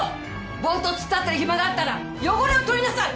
ボーッと突っ立ってる暇があったら汚れを取りなさい！